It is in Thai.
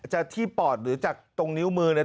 จะที่ปอดหรือจากตรงนิ้วมือเนี่ย